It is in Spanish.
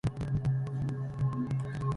H. Cámpora, Av.